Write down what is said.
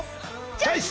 チョイス！